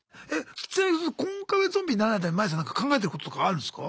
コンカフェゾンビにならないためにマイさんなんか考えてることとかあるんすか？